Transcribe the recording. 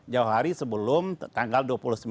jauh hari sebelum tanggal dua puluh sembilan